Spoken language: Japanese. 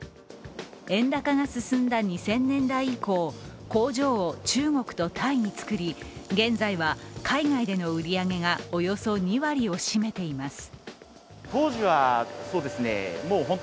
円高が進んだ２０００年代以降、工場を中国とタイに作り、現在は海外での売り上げがおよそ２割を占めています。